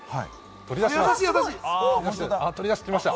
取り出してきました。